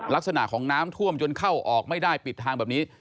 ลักษณะของน้ำท่วมจนเข้าออกไม่ได้ปิดทางแบบนี้